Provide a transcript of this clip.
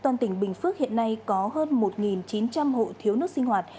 toàn tỉnh bình phước hiện nay có hơn một chín trăm linh hộ thiếu nước sinh hoạt